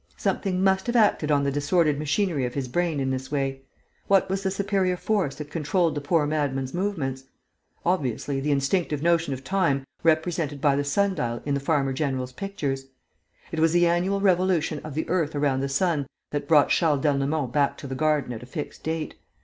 Something must have acted on the disordered machinery of his brain in this way. What was the superior force that controlled the poor madman's movements? Obviously, the instinctive notion of time represented by the sun dial in the farmer general's pictures. It was the annual revolution of the earth around the sun that brought Charles d'Ernemont back to the garden at a fixed date.